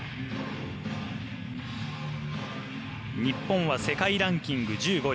日本は世界ランキング１５位。